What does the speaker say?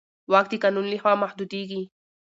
واک د قانون له خوا محدودېږي.